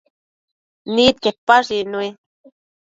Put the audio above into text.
Nidquepash icnui